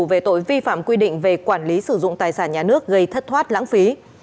về tội vi phạm quy định về quản lý sử dụng tài sản nhà nước gây thất thoát lãng phí